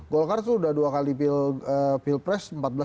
golkar itu sudah dua kali pilpres empat belas lima belas